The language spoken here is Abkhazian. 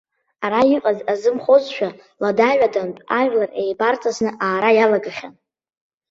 Ара иҟаз азымхозшәа, лада-ҩадантә ажәлар еибарҵысны аара иалагахьан.